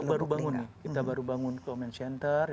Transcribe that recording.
kita baru bangun kita baru bangun comment center